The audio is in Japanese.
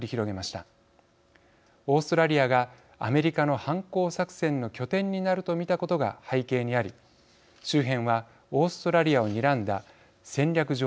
オーストラリアがアメリカの反攻作戦の拠点になると見たことが背景にあり周辺はオーストラリアをにらんだ戦略上の要衝です。